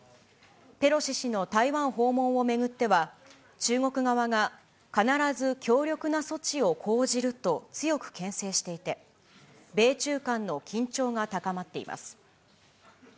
ペロシ氏の台湾訪問を巡っては、中国側が必ず強力な措置を講じると強くけん制していて、米中間の緊張が高まっています。